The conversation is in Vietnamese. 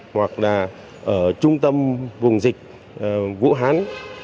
hoặc là ở trung tâm vùng dịch vũ hán